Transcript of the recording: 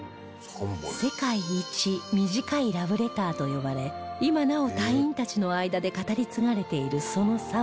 「世界一短いラブレター」と呼ばれ今なお隊員たちの間で語り継がれているその３文字